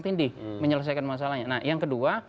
tindih menyelesaikan masalahnya nah yang kedua